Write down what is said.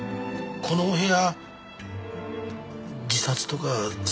このお部屋自殺とか殺人とか。